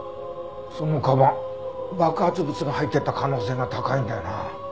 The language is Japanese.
その鞄爆発物が入ってた可能性が高いんだよな。